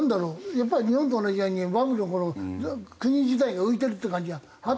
やっぱり日本と同じようにバブルの国自体が浮いてるっていう感じがあったよね。